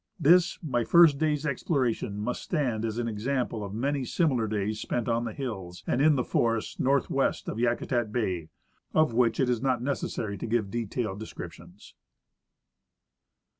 This, my first day's exploration, must stand as an example of many similar days spent on the hills and in the forests north west of Yakutat bay, of wdiich it is not necessary to give detailed descriptions.